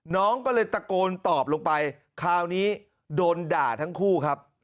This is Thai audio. น้องก็เลยตะโกนตอบลงไปคราวนี้โดนด่าทั้งคู่ครับ